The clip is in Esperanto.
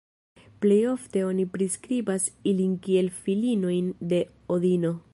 Plejofte oni priskribas ilin kiel filinojn de Odino.